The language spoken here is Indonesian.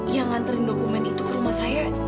yang nganterin dokumen itu ke rumah saya